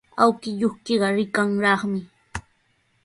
Awkilluykiqa rikanraqmi.